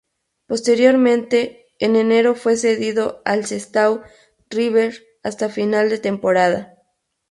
Posteriormente, en enero, fue cedido al Sestao River hasta final de temporada.